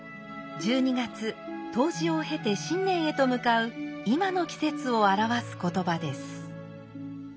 １２月冬至を経て新年へと向かう今の季節を表す言葉です。